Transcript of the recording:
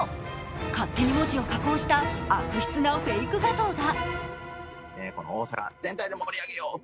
勝手に文字を加工した悪質なフェイク画像だ。